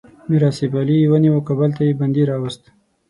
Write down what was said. میر آصف علي یې ونیو او کابل ته یې بندي راووست.